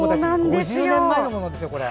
５０年前のものですよ。